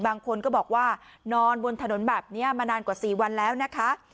บางคนก็บอกว่านอนบนถนนแบบนี้มานานกว่า๔วันแล้วนะคะ